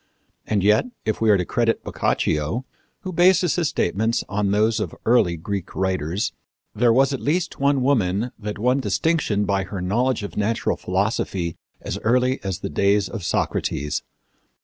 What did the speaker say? And yet, if we are to credit Boccaccio, who bases his statements on those of early Greek writers, there was at least one woman that won distinction by her knowledge of natural philosophy as early as the days of Socrates.